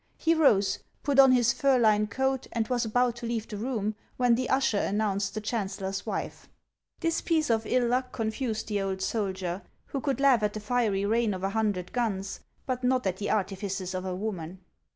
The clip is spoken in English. He rose, put on his fur lined coat, and was about to leave the room, when the usher announced the chancellor's wife. This piece of ill luck confused the old soldier, who could laugh at the fiery rain of a hundred guns, but not at the artifices of a woman.